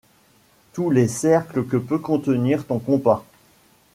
Tous les cercles que peut contenir ton compas